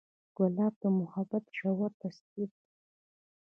ګلاب د محبت ژور تصویر دی.